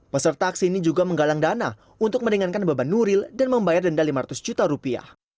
peserta aksi ini juga menggalang dana untuk meringankan beban nuril dan membayar denda lima ratus juta rupiah